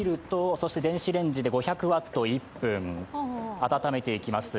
そして電子レンジで５００ワット１分、温めていきます。